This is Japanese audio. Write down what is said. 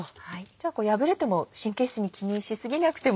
じゃあ破れても神経質に気にし過ぎなくても。